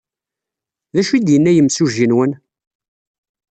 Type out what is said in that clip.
D acu ay d-yenna yimsujji-nwen?